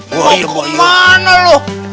kok kemana lu